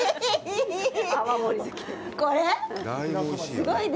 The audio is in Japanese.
すごいね。